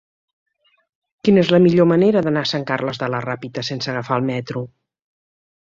Quina és la millor manera d'anar a Sant Carles de la Ràpita sense agafar el metro?